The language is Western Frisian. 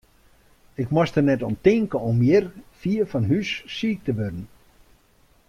Ik moast der net oan tinke om hjir, fier fan hús, siik te wurden.